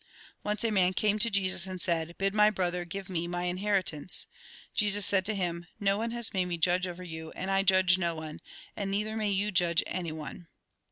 Once a man came to Jesus, and said :" Bid my brother give me my inheritance." Jesus said to him :" No one has made me judge over you, and I judge no one. And neither may you judge any one.''